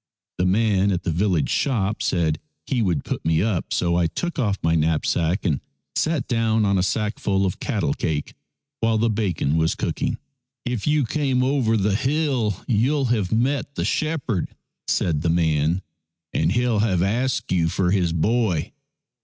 The man at the village shop said he would put me up, so I took off my knapsack and sat down on a sackful of cattle cake while the bacon was cooking. " If you came over the hill, you'll have met shepherd," said the man, " and he'll have asked you for his boy."